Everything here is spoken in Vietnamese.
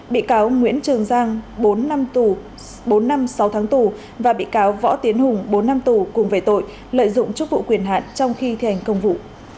bị cáo nguyễn trường giang bốn năm sáu tháng tù và bị cáo võ tiến hùng bốn năm tù cùng về tội lợi dụng chức vụ quyền hạn trong khi thành công vụ